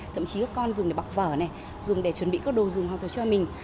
thậm chí các con dùng để bọc vở này dùng để chuẩn bị các đồ dùng học tập cho mình